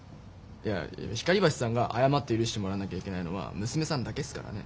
いや光橋さんが謝って許してもらわなきゃいけないのは娘さんだけっすからね。